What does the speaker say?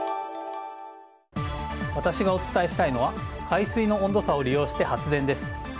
私がお伝えしたいのは海水の温度差を利用して発電です。